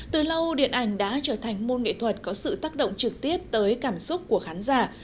từ lâu điện ảnh đã trở thành môn nghệ thuật có sự tác động trực tiếp tới cảm xúc của khán giả